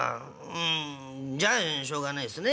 んじゃあしょうがないっすね。